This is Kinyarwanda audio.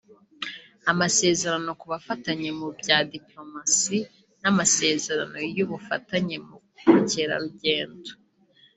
amasezerano ku bufatanye mu bya dipolomasi n’amasezerano y’ubufatanye mu bukerarugendo